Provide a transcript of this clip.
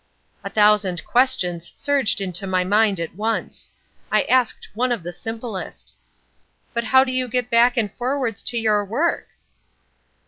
A thousand questions surged into my mind at once. I asked one of the simplest. "But how do you get back and forwards to your work?"